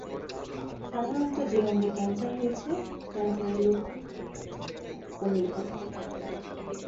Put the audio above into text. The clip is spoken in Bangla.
সাধারণত যে অঙ্গে ক্যান্সার হয়েছে, ক্যান্সারের লক্ষণ এবং উপসর্গ তার ওপর নির্ভর করে।